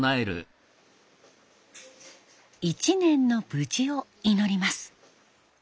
一年の無事を祈ります。